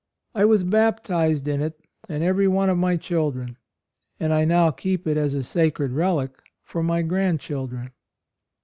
"I was baptized in it, and every one of my children ; and I now keep it as a sacred relic for my grandchildren."